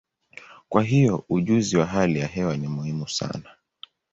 Kwa hiyo, ujuzi wa hali ya hewa ni muhimu sana.